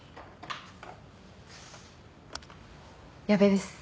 矢部です。